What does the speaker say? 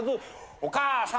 お母さん。